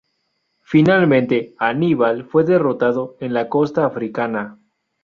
Finalmente, Aníbal fue derrotado en la costa africana.